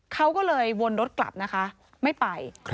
เขาก็เลยวนรถกลับนะคะไม่ไป